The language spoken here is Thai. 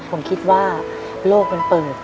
ผมคิดว่าโลกมันเปิด